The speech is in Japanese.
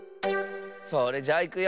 それじゃいくよ。